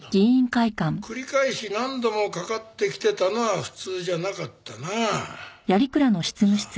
繰り返し何度も掛かってきてたのは普通じゃなかったなあ。